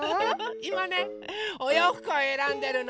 いまねおようふくをえらんでるの！